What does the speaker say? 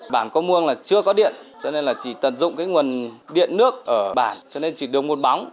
bản có muôn là chưa có điện cho nên chỉ tận dụng nguồn điện nước ở bản cho nên chỉ được một bóng